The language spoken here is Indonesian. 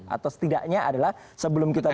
atau setidaknya adalah sebelum kita